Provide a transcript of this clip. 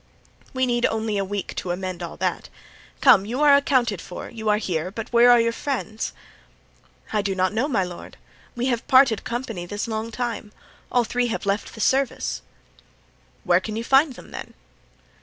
"We need only a week to amend all that. Come, you are accounted for, you are here, but where are your friends?" "I do not know, my lord. We have parted company this long time; all three have left the service." "Where can you find them, then?"